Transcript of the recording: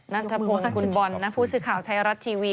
นัทพลคุณบอลนะผู้สื่อข่าวไทยรัฐทีวี